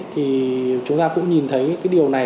thì chúng ta cũng nhìn thấy cái điều này